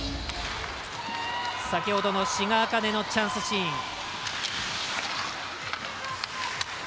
先ほどの志賀紅音のチャンスシーン。